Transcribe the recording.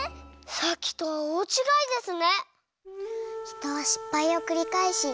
さっきとはおおちがいですね！